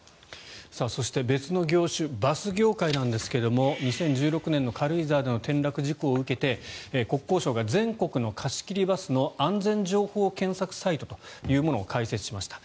そして、別の業種バス業界なんですが２０１６年の軽井沢での転落事故を受けて国交省が全国の貸し切りバスの安全情報検索サイトというものを開設しました。